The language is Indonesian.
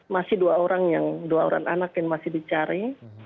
masih dua orang anak yang masih dicari